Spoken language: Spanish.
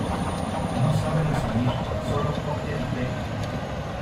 No sabe resumir, sólo copia y pega.